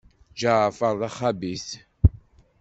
Ǧaɛfeṛ d axabit.